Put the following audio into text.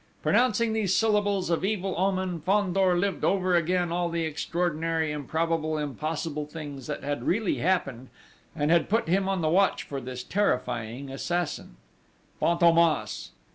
Pronouncing these syllables of evil omen, Fandor lived over again all the extraordinary, improbable, impossible things that had really happened, and had put him on the watch for this terrifying assassin. Fantômas!